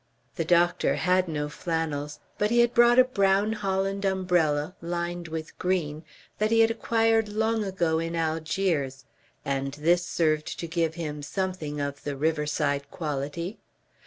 The doctor had no flannels, but he had brought a brown holland umbrella lined with green that he had acquired long ago in Algiers, and this served to give him something of the riverside quality.